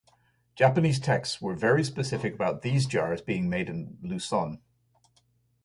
Japanese texts were very specific about these jars being made in Luzon.